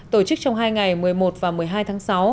tổ chức trong hai ngày một mươi một và một mươi hai tháng sáu